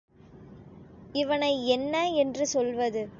இவனை என்ன என்று சொல்வது?